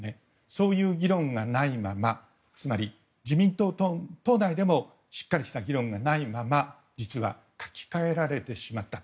そういう議論がないままつまり自民党内でもしっかりした議論がないまま実は書き換えられてしまった。